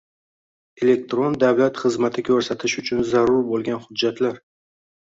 elektron davlat xizmati ko‘rsatish uchun zarur bo‘lgan hujjatlar